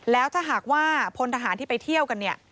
แล้วถ้าหากว่าพลทหารที่ไปเที่ยวกันเนี่ย